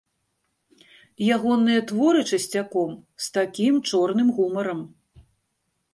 Ягоныя творы, часцяком, з такім чорным гумарам.